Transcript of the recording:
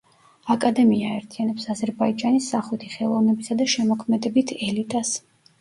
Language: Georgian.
აკადემია აერთიანებს აზერბაიჯანის სახვითი ხელოვნებისა და შემოქმედებით ელიტას.